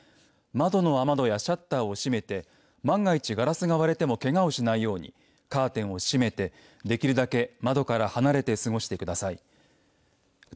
窓の雨戸やシャッターを閉めて万が一、ガラスが割れてもけがをしないようにカーテンを閉めてできるだけ窓から離れて過ごしてください。